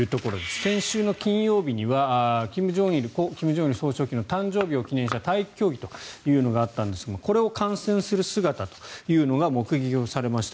先週の金曜日には故・金正日総書記の誕生日を記念した体育競技というのがあったんですがこれを観戦する姿というのが目撃されました。